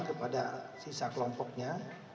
kepada sisa kelompoknya